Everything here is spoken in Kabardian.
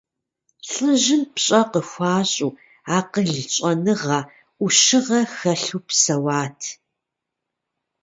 Лӏыжьым пщӀэ къыхуащӀу, акъыл, щӀэныгъэ, Ӏущыгъэ хэлъу псэуат.